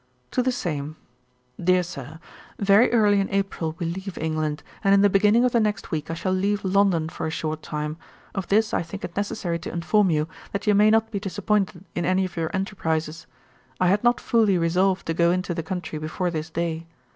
To THE SAME. 'DEAR SIR, 'Very early in April we leave England, and in the beginning of the next week I shall leave London for a short time; of this I think it necessary to inform you, that you may not be disappointed in any of your enterprises. I had not fully resolved to go into the country before this day.